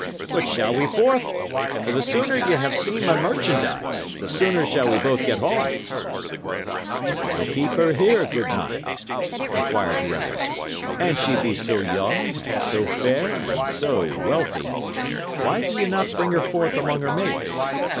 But shall we forth? for the sooner ye have seen my merchandise, the sooner shall we both get home." "But why keep ye her here, good knight?" inquired the other. "An she be so young, and so fair, and so wealthy, why do ye not bring her forth among her mates?